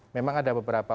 sepuluh memang ada beberapa